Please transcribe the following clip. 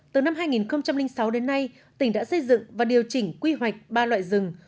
từ năm hai nghìn sáu đến nay tỉnh đã xây dựng và điều chỉnh quy hoạch ba loại rừng